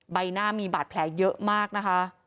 ใบหน้ามีบาดแผลเยอะมากนะคะ